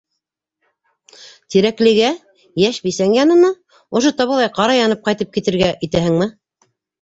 - Тирәклегә... йәш бисәң янына... ошо табалай ҡара янып ҡайтып китергә итәһеңме?!